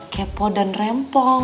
kepo dan rempong